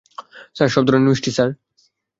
Sir, সব ধরনের মিষ্টি, স্যার।